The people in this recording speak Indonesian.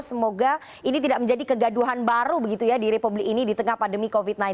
semoga ini tidak menjadi kegaduhan baru begitu ya di republik ini di tengah pandemi covid sembilan belas